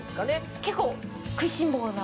結構、食いしん坊な。